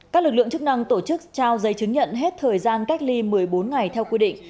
các lực lượng chức năng tổ chức trao giấy chứng nhận hết thời gian cách ly một mươi bốn ngày theo quy định